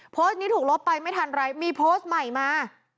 โพสต์นี้ถูกลบไปไม่ทันไรมีโพสต์ใหม่มา